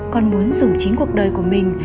con muốn giữ chính cuộc đời của mình